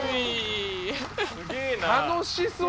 楽しそう！